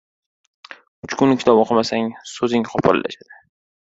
• Uch kun kitob o‘qimasang — so‘zing qo‘pollashadi.